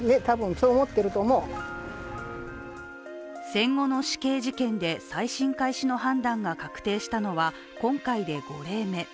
戦後の死刑事件で再審開始の判断が確定したのは、今回で５例目。